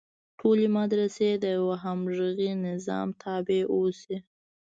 ټولې مدرسې د یوه همغږي نظام تابع اوسي.